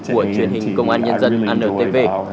của truyền hình công an nhân dân anntv